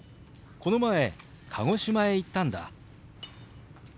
この前鹿児島へ行ったんだ。